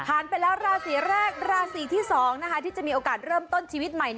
ไปแล้วราศีแรกราศีที่๒ที่จะมีโอกาสเริ่มต้นชีวิตใหม่